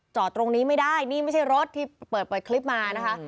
จอดตรงนี้ไม่ได้นี่ไม่ใช่รถที่เปิดปล่อยคลิปมานะคะ